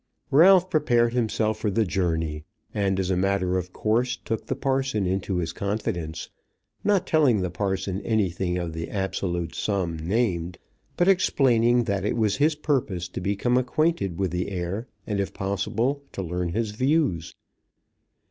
Ralph prepared himself for the journey, and, as a matter of course, took the parson into his confidence; not telling the parson anything of the absolute sum named, but explaining that it was his purpose to become acquainted with the heir, and if possible to learn his views.